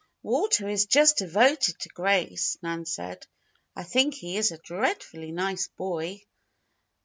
"Walter is just devoted to Grace," Nan said. "I think he is a dreadfully nice boy."